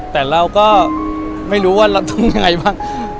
แต่เราก็ไม่รู้ว่าเราทำยังไงบ้าง